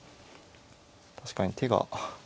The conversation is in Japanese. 確かに手が。